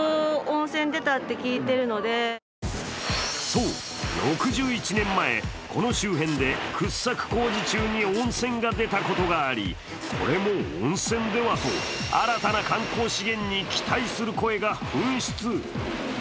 そう、６１年前、周辺で掘削工事中に温泉が出たことがありこれも温泉では？と新たな観光資源に期待する声が噴出。